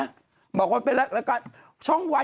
หมอบว่าเป็นรากราชช่องวัน